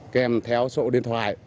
kèm theo sổ điện thoại